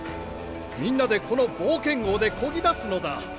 みんなでこの冒険号でこぎ出すのだ！